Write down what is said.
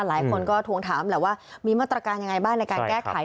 หลายคนก็ทวงถามแหละว่ามีมาตรการยังไงบ้างในการแก้ไข